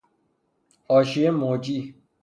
حاشیه موجی